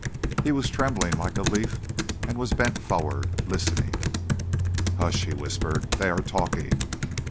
He was trembling like a leaf, and was bent forward, listening. "Hush!" he whispered; "they are talking.